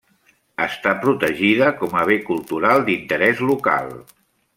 Està protegida com a bé cultural d'interès local.